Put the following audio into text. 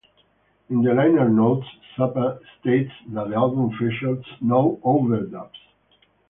In the liner notes, Zappa states that the album features no overdubs.